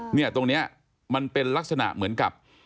นี่มันเป็นลักษณะเหมือนกับ